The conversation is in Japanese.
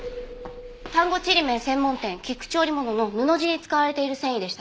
丹後ちりめん専門店菊池織物の布地に使われている繊維でした。